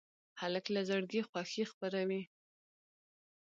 هلک له زړګي خوښي خپروي.